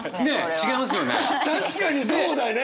確かにそうだね！